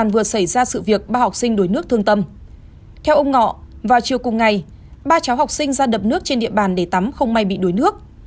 vào chiều cùng ngày ba cháu học sinh ra đập nước trên địa bàn để tắm không may bị đuối nước